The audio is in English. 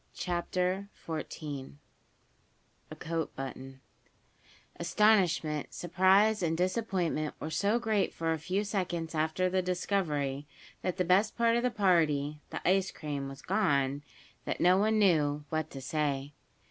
CHAPTER XIV A COAT BUTTON ASTONISHMENT, surprise and disappointment were so great for a few seconds after the discovery that the best part of the party the ice cream was gone, that no one knew, what to say.